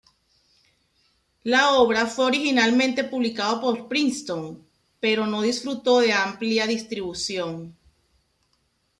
La obra fue originalmente publicado por Princeton, pero no disfrutó de amplia distribución.